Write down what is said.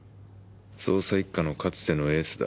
捜査一課のかつてのエースだ。